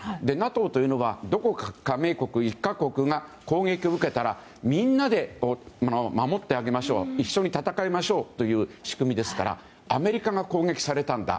ＮＡＴＯというのはどこか加盟国１か国が攻撃を受けたらみんなで守ってあげましょう一緒に戦いましょうという仕組みですからアメリカが攻撃されたんだ。